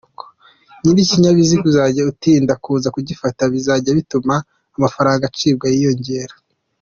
Nyir’ikinyabiziga uzajya atinda kuza kugifata bizajya bituma amafaranga acibwa yiyongera.